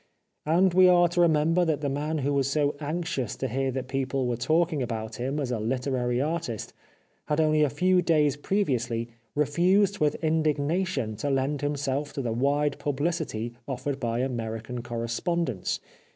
And we are to remember that the man who was so anxious to hear that people were talking about him as a literary artist had only a few days previously refused with indignation to lend himself to the wide publicity offered by American correspondents.